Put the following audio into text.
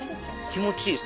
「気持ちいい？」